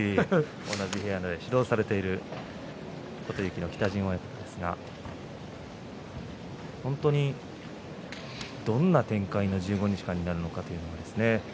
同じ部屋で指導されている琴勇輝の北陣親方ですが本当にどんな展開の１５日間になるのかということですね。